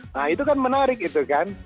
nah itu kan menarik itu kan